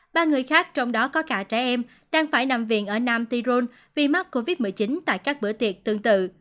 ba người khác trong đó có cả trẻ em đang phải nằm viện ở nam tirone vì mắc covid một mươi chín tại các bữa tiệc tương tự